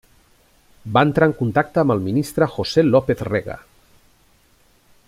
Va entrar en contacte amb el Ministre José López Rega.